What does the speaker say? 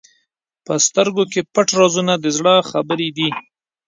په سترګو کې پټ رازونه د زړه خبرې دي.